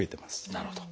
なるほど。